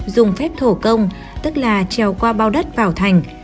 dùng phép thổ công tức là trèo qua bao đất vào thành